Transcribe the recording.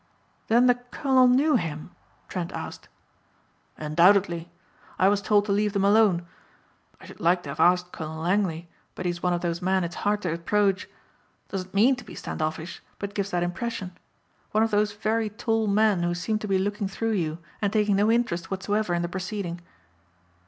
"Then the colonel knew him?" Trent asked. "Undoubtedly. I was told to leave them alone. I should like to have asked Colonel Langley but he is one of those men it's hard to approach. Doesn't mean to be standoffish but gives that impression. One of those very tall men who seem to be looking through you and taking no interest whatsoever in the proceeding."